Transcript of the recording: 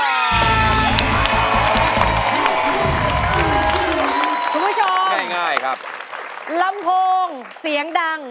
คุณผู้ชมลำโพงเสียงดัง